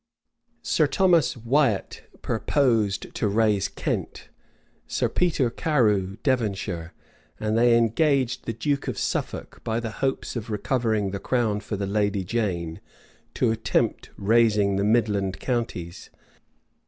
Sir Thomas Wiat purposed to raise Kent; Sir Peter Carew, Devonshire; and they engaged the duke of Suffolk, by the hopes of recovering the crown for the lady Jane, to attempt raising the midland counties.